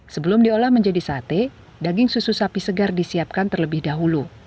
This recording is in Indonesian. sebelum diolah menjadi sate daging susu sapi segar disiapkan terlebih dahulu